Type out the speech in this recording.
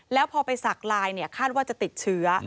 แล้วพอไปสักลายคาดว่าจะติดเชื้อ